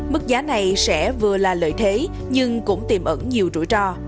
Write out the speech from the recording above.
mức giá này sẽ vừa là lợi thế nhưng cũng tiềm ẩn nhiều rủi ro